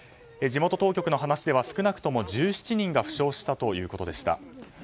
地元当局の話では少なくとも１７人が負傷したということでした。